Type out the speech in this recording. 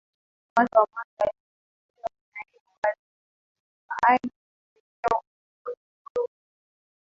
Watu wa mwanzo walioteuliwa ni Naibu Waziri Mheshimiwa Ali Mwinyigogo